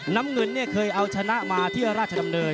น้ำเงินเนี่ยเคยเอาชนะมาที่ราชดำเนิน